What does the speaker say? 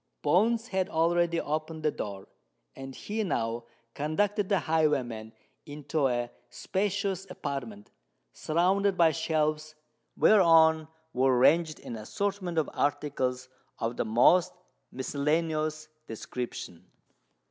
Bones had already opened the door; and he now conducted the highwayman into a spacious apartment, surrounded by shelves, whereon were ranged an assortment of articles of the most miscellaneous description.